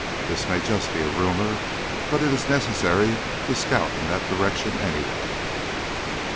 This may just be a rumor, but it is necessary to scout in that direction anyway."